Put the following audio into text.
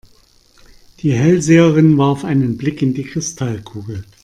Die Hellseherin warf einen Blick in die Kristallkugel.